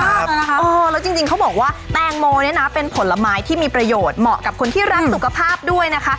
มีคุณเลยนะครับมีมากนะครับอ๋อแล้วจริงจริงเขาบอกว่าแตงโมเนี้ยนะเป็นผลไม้ที่มีประโยชน์เหมาะกับคนที่รักสุขภาพด้วยนะคะ